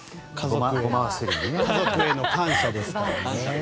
家族への感謝ですからね。